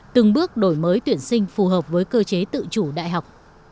từng bước đổi mới tuyển sinh phù hợp với cơ chế tự chủ đại học